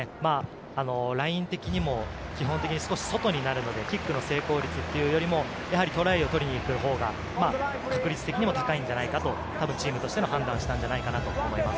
ライン的にも基本的に少し外になるので、キックの成功率というよりトライを取りに行くほうが確率的にも高いんじゃないかとチームとしての判断したんじゃないかと思います。